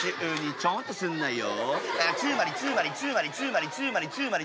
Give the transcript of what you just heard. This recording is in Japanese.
ちょんってすんなよ